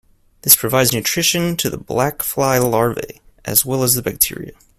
This provides nutrition to the black fly larvae, as well as the bacteria.